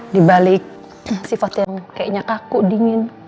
dibalik sifat yang kayaknya kaku dingin